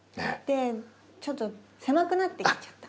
ちょっと狭くなってきちゃった。